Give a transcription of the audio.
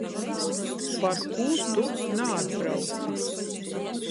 Parkū tu naatbrauci?